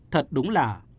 thật đúng lạ